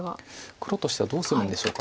黒としてはどうするんでしょうか。